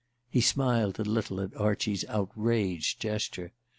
He smiled a little at Archie's outraged gesture.